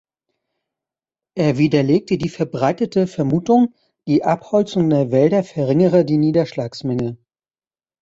Er widerlegte die verbreitete Vermutung, die Abholzung der Wälder verringere die Niederschlagsmenge.